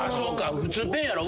普通ペンやろ？